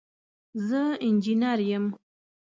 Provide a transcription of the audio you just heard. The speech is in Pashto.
زه انجنیر یم